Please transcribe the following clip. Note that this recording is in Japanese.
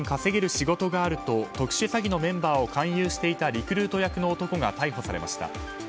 仕事があると特殊詐欺のメンバーを勧誘していたリクルート役の男が逮捕されました。